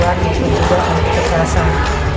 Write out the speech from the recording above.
dan juga kekerasan